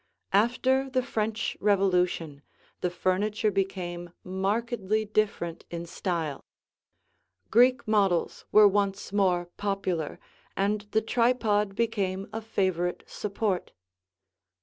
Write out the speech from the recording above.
After the French Revolution, the furniture became markedly different in style; Greek models were once more popular, and the tripod became a favorite support.